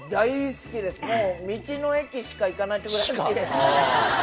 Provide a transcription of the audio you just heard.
もう、道の駅しか行かないってぐらい、好きですね。